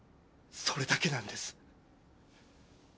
それだけなんです。